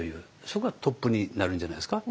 そこがトップになるんじゃないですか。